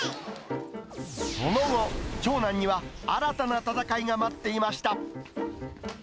その後、長男には新たな戦いが待っていました。